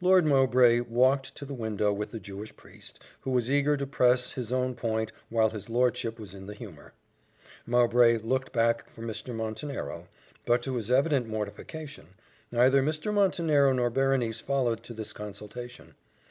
Lord Mowbray walked to the window with the Jewish priest, who was eager to press his own point while his lordship was in the humour. Mowbray looked back for Mr. Montenero, but, to his evident mortification, neither Mr. Montenero nor Berenice followed to this consultation.